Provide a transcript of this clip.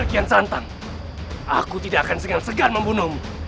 rakyat santang aku tidak akan segan segan membunuhmu